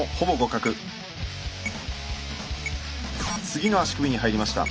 次の足首に入りました。